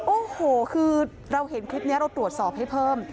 โอ้โหคือเราเห็นคลิปนี้เราตรวจสอบให้เพิ่ม